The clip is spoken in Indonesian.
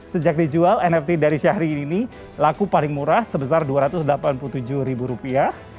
sejak dijual nft dari syahrini ini laku paling murah sebesar dua ratus delapan puluh tujuh ribu rupiah